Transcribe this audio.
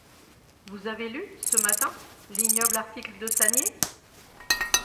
Vous avez lu, ce matin, l'ignoble article de Sanier?